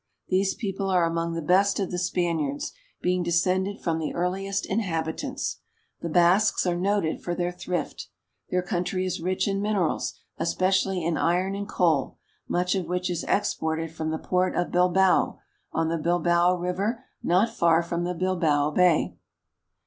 These peo ple are among the best of the Spaniards, being descended from the earliest inhabitants. The Basques are noted for their thrift. Their country is rich in minerals, especially in iron and coal, much of which is exported from the port 442 SPAIN. of Bilbao, on the Bilbao River, not far from the Bilbao Bay.